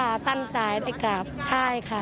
ตั้งใจได้กลับใช่ค่ะ